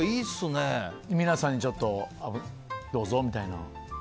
皆さんにちょっとどうぞみたいな？